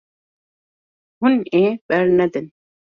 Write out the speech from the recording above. Hûn ê bernedin.